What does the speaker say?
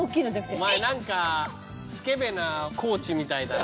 お前なんかすけべなコーチみたいだな。